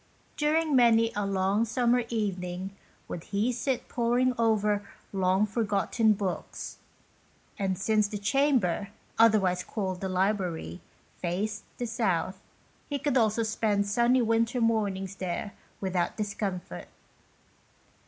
During many a long summer evening would he sit poring over long forgotten books; and since the chamber, otherwise called the library, faced the south, he could also spend sunny winter mornings there without discom fort.